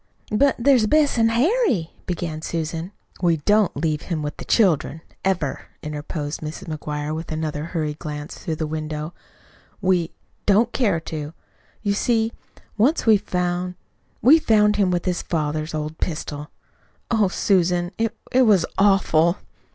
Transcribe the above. "But there's Bess an' Harry," began Susan, "We don't leave him with the children, ever," interposed Mrs. McGuire, with another hurried glance through the window. "We don't dare to. You see, once we found we found him with his father's old pistol. Oh, Susan, it it was awful!"